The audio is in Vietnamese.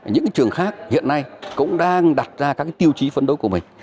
những trường khác hiện nay cũng đang đặt ra các tiêu chí phấn đối của mình